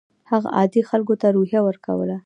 هغه عادي خلکو ته روحیه ورکوله.